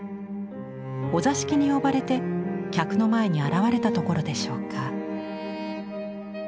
お座敷に呼ばれて客の前に現れたところでしょうか。